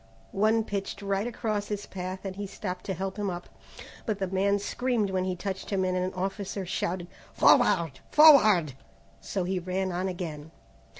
One pitched right across his path and he stopped to help him up, but the man screamed when he touched him and an officer shouted, "Forward! Forward!" so he ran on again.